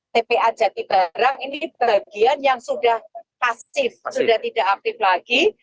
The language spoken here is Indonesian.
tpa jatibarang ini bagian yang sudah pasif sudah tidak aktif lagi